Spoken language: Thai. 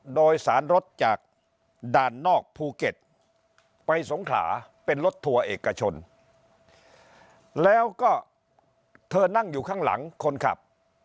โดยสารรถจากด่านนอกภูเก็ตไปสงขลาเป็นรถทัวร์เอกชนแล้วก็เธอนั่งอยู่ข้างหลังคนขับ